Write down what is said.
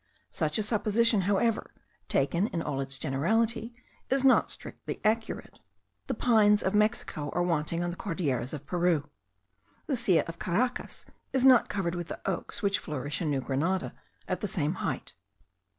Such a supposition, however, taken in all its generality, is not strictly accurate. The pines of Mexico are wanting on the Cordilleras of Peru. The Silla of Caracas is not covered with the oaks which flourish in New Grenada at the same height.